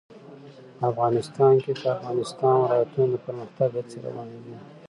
افغانستان کې د د افغانستان ولايتونه د پرمختګ هڅې روانې دي.